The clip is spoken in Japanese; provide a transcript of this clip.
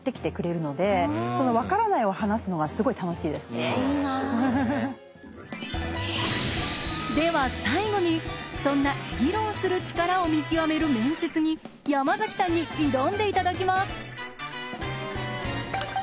では最後にそんな議論する力を見極める面接に山崎さんに挑んでいただきます。